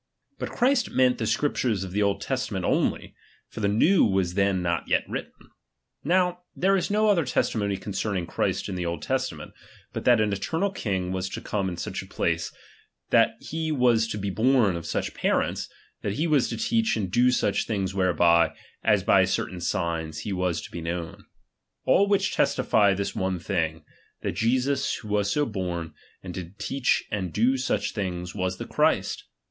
But Christ meaut the Scriptures of the Old Testament only ; for the New was then not yet written, Now, there is no other testimony concerning Christ in the Old Testiment, but that an eternal king was to come in such a place, that he was to be born of such parents, that he was to teach and do such things whereby, as by certain signs, he was to be known. All which testify this one thing ; that Jesus who was so born, and did teach and do siich things, was the Christ.